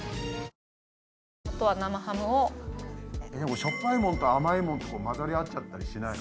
しょっぱいものと甘いものと混ざり合っちゃったりしないの？